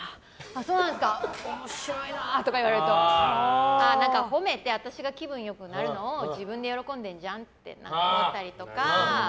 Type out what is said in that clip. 面白いなあって言われると何か、褒めて私が気分良くなるのを自分で喜んでるじゃんって思ったりとか。